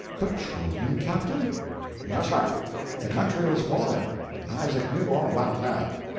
"Petroleum, captain?" "Yes, sir, the country was full of it. Isaac knew all about that.